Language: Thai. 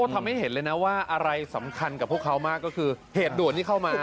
ทำให้เห็นเลยนะว่าอะไรสำคัญกับพวกเขามากก็คือเหตุด่วนที่เข้ามา